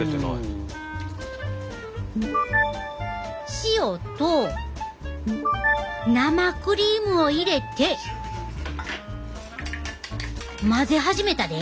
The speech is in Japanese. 塩と生クリームを入れて混ぜ始めたで！